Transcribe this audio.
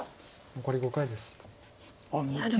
残り５回です。